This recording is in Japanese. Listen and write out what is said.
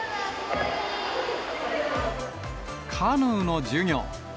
カヌーの授業。